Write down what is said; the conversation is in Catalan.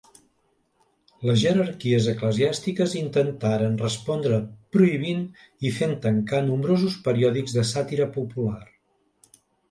Les jerarquies eclesiàstiques intentaren respondre prohibint i fent tancar nombrosos periòdics de sàtira popular.